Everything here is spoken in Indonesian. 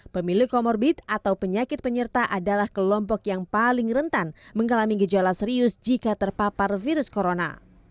pemilik comorbid atau penyakit penyerta adalah kelompok yang paling rentan mengalami gejala serius jika terpapar virus corona